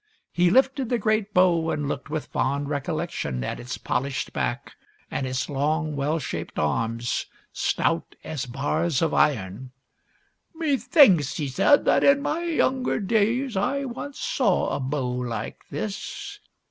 He lifted the great bow and looked with fond recollection at its polished back and its long, well shaped arms, stout as bars of iron. " Me thinks," he said, " that in my younger days I once saw a bow like this."